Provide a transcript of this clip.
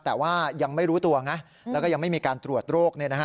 แต่ว่ายังไม่รู้ตัวไงแล้วก็ยังไม่มีการตรวจโรค